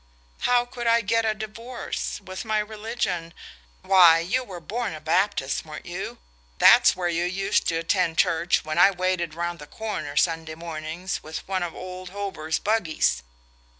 "How could I get a divorce? With my religion " "Why, you were born a Baptist, weren't you? That's where you used to attend church when I waited round the corner, Sunday mornings, with one of old Hober's buggies."